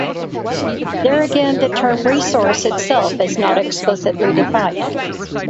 There again, the term "resource" itself is not explicitly defined.